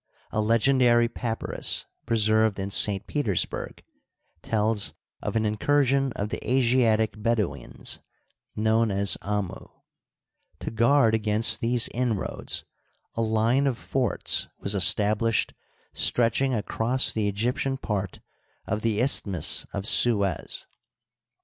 A legend ary papyrus preserved in St. Petersburg tells of an incur sion of the Asiatic Bedouins known as Amu, To guard against these inroads aline of forts was established stretch ing across the Egyptian part of the Isthmus of Suez.